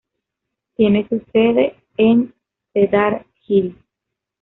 Tiene su sede en Cedar Hill.